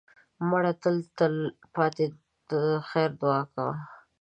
مړه ته د تل پاتې خیر دعا کوه